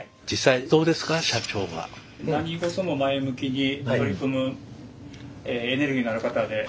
何事も前向きに取り組むエネルギーのある方で。